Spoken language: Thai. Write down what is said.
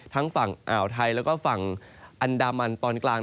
ฝั่งอ่าวไทยแล้วก็ฝั่งอันดามันตอนกลาง